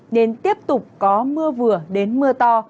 nên tiếp tục có mưa vừa đến mưa to